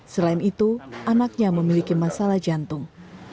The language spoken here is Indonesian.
selain itu anaknya memiliki masalah jantung